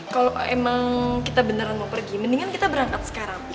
kalau emang kita beneran mau pergi mendingan kita berangkat sekarang